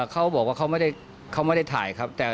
เขาบอกว่าเขาไม่ได้ถ่ายครับ